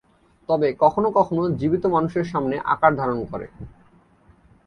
তবে কখনো কখনো জীবিত মানুষের সামনে আকার ধারণ করে।